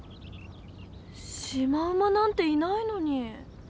シマウマなんていないのに。